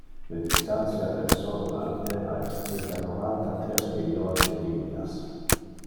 Le distantia del sol al terra es circa novanta-tres milliones de millias.